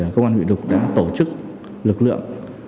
công an huyện bình lục đã tổ chức lực lượng